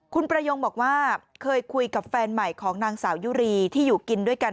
คุณประยงบอกว่าเคยคุยกับแฟนใหม่ของนางสาวยุรีที่อยู่กินด้วยกัน